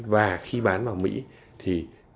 và khi bán vào mỹ thì